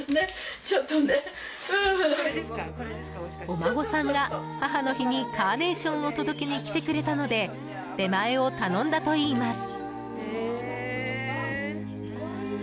お孫さんが母の日にカーネーションを届けに来てくれたので出前を頼んだといいます。